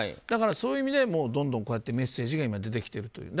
だから、そういう意味でメッセージが出てきていると。